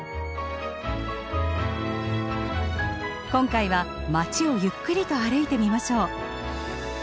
今回は街をゆっくりと歩いてみましょう。